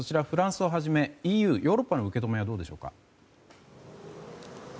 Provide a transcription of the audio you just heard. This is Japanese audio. フランスをはじめＥＵ、ヨーロッパの受け止めはどうでしょうか？